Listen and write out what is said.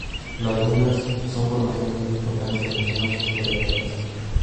Las dunas son formaciones muy importantes en las zonas costeras bajas.